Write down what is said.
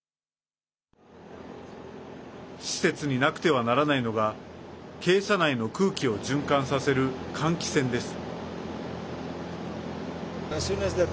施設になくてはならないのが鶏舎内の空気を循環させる換気扇です。